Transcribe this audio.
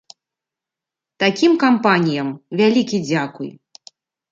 Такім кампаніям вялікі дзякуй.